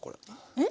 えっ？